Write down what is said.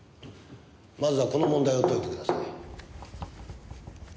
まずはこの問題を解いてください。